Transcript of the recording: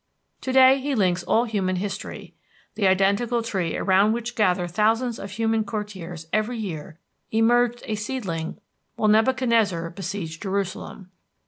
To day he links all human history. The identical tree around which gather thousands of human courtiers every year emerged, a seedling, while Nebuchadnezzar besieged Jerusalem.